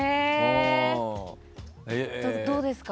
どうですか？